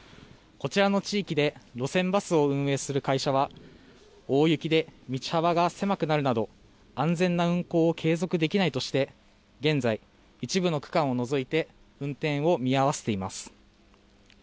こちらの地域で路線バスを運営する会社は大雪で道幅が狭くなるなど安全な運行を継続できないとして現在、一部の区間を除いて運転を見合わせています。